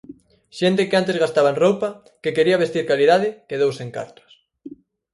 Xente que antes gastaba en roupa, que quería vestir calidade, quedou sen cartos.